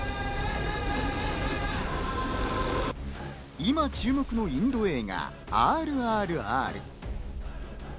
今注目のインド映画『ＲＲＲ』。